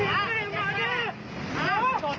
เยี่ยมมากครับ